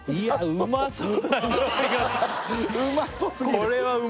うまそう！